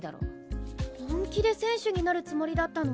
本気で選手になるつもりだったの？